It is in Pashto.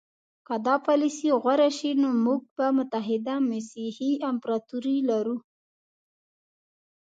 که دا پالیسي غوره شي نو موږ به متحده مسیحي امپراطوري لرو.